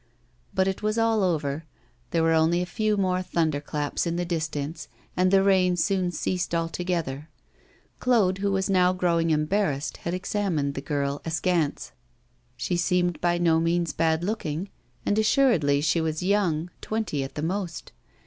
But it was all over. There were only a few more thunder claps in the distance, and the rain soon ceased altogether. Claude, who was now growing embarrassed, had examined the girl, askance. She seemed by no means bad looking, and assuredly she was young: twenty at the most.